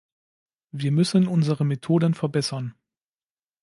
Wir müssen unsere Methoden verbessern.